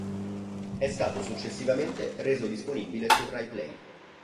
È stato successivamente reso disponibile su Rai Play.